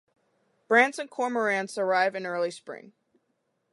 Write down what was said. Brants and cormorants arrive in early spring.